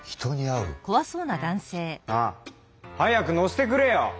なあ早く乗せてくれよ！